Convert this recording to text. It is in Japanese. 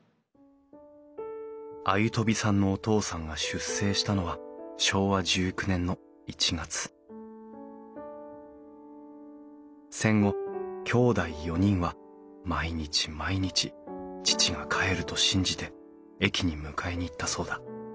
鮎飛さんのお父さんが出征したのは昭和１９年の１月戦後きょうだい４人は毎日毎日父が帰ると信じて駅に迎えに行ったそうだ。